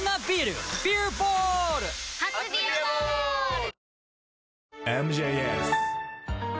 初「ビアボール」！